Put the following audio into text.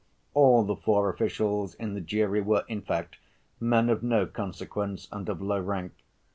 All the four officials in the jury were, in fact, men of no consequence and of low rank.